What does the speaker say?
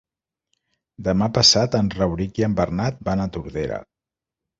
Demà passat en Rauric i en Bernat van a Tordera.